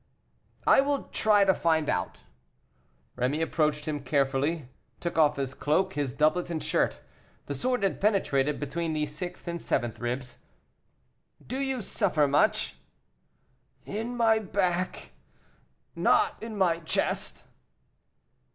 "I will try to find out." Rémy approached him carefully, took off his cloak, his doublet and shirt. The sword had penetrated between the sixth and seventh ribs. "Do you suffer much?" "In my back, not in my chest."